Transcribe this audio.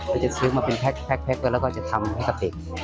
จะซื้อมาเป็นแพ็คกันแล้วก็จะทำให้กระติก